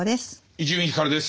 伊集院光です。